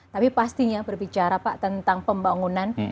tapi pastinya berbicara pak tentang pembangunan